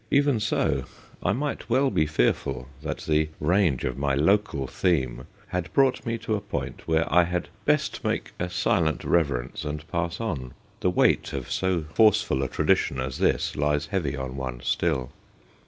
Even so, I might well be fearful that the range of my local theme had brought me to a point where I had best make a silent reverence and pass on. The weight of so forceful a tradition as this lies heavy on one still.